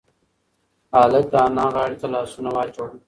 هلک د انا غاړې ته لاسونه واچول.